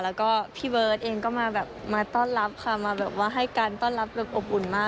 แล้วก็พี่เบิร์ตเองก็มาแบบมาต้อนรับค่ะมาแบบว่าให้การต้อนรับแบบอบอุ่นมาก